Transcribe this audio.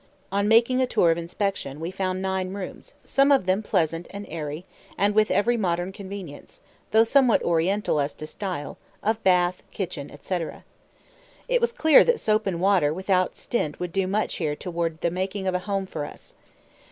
On making a tour of inspection, we found nine rooms, some of them pleasant and airy, and with every "modern convenience" (though somewhat Oriental as to style) of bath, kitchen, etc. It was clear that soap and water without stint would do much here toward the making of a home for us.